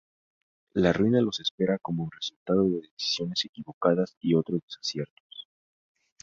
La ruina los espera como el resultado de decisiones equivocadas y otros desaciertos.